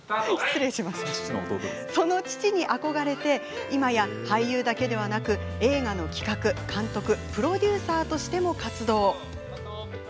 その父に憧れて今や俳優だけでなく映画の企画、監督プロデューサーとしても活動。